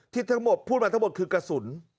ทั้งหมดพูดมาทั้งหมดคือกระสุน